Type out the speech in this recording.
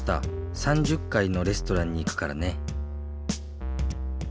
３０かいのレストランに行くからね。